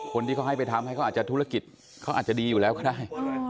คนที่เขาให้ไปทำให้เขาอาจจะธุรกิจเขาอาจจะดีอยู่แล้วก็ได้